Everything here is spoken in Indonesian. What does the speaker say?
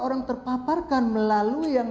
orang terpaparkan melalui yang